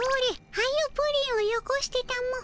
はようプリンをよこしてたも。